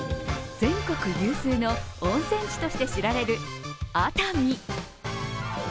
全国有数の温泉地として知られる熱海。